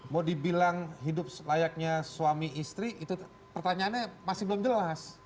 mau dibilang hidup layaknya suami istri itu pertanyaannya masih belum jelas